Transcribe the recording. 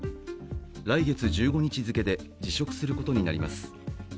来月１５日付けで辞職することになります。